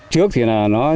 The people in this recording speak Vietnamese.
trước thì là nó